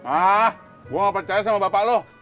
ah gue gak percaya sama bapak lo